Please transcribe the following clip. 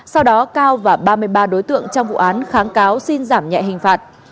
sau đó cao và ba mươi ba đối tượng trong hai năm một mươi tháng đưa ra xét xử sơ thẩm đối với bốn mươi bị cáo